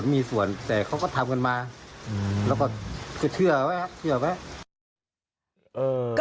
พี่ทำยังไงฮะ